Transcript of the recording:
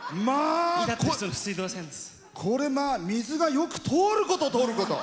これ、まあ水がよく通ること通ること。